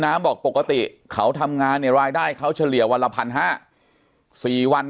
น้ำบอกปกติเขาทำงานในรายได้เขาเฉลี่ยวันละพันห้า๔วัน